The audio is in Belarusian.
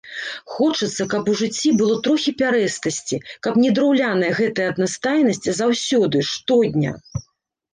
Хочацца, каб у жыцці было трохі пярэстасці, каб не драўляная гэтая аднастайнасць заўсёды, штодня.